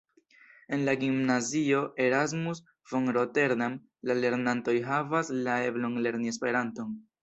En la gimnazio Erasmus-von-Rotterdam la lernantoj havas la eblon lerni Esperanton.